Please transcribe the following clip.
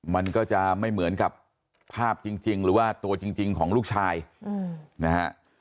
มันก็จะไม่เหมือนกับภาพจริงหรือว่าตัวจริงของลูกชายนะฮะ